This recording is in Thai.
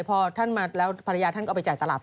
พอท่านมาแล้วภรรยาท่านก็เอาไปจ่ายตลาด